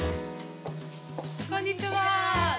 こんにちは。